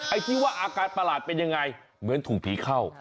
ไอ้ที่ว่าอาการประหลาดเป็นยังไงเหมือนถูกผีเข้า